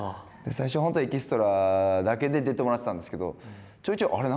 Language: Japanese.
最初本当にエキストラだけで出てもらってたんですけどちょいちょいあれ？